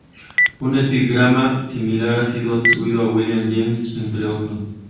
Un epigrama similar ha sido atribuido a William James, entre otros.